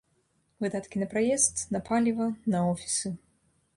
Выдаткі на праезд, на паліва, на офісы.